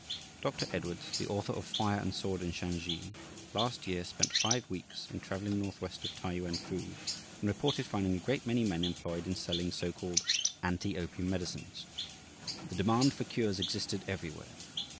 Dr. Edwards, the author of "Fire and Sword in Shansi," last year spent five weeks in travelling northwest of T'ai Yuan fu, and reported finding a great many men employed in selling so called anti opium medicines. The demand for cures existed everywhere.